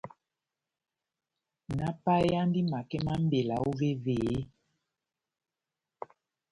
Náhápayeyandi makɛ má mbela óvévé ?